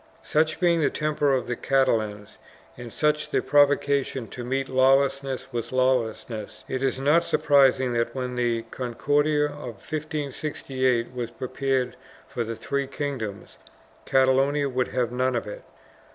3 Such being the temper of the Catalans and such the provoca tion to meet lawlessness with lawlessness, it is not surprising that, when the Concordia of 1568 was prepared for the three kingdoms, Catalonia would have none of it.